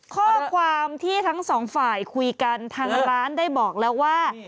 ข้อความที่ทั้งสองฝ่ายคุยกันทางร้านได้บอกแล้วว่า